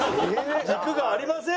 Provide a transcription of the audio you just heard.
「軸がありません！」。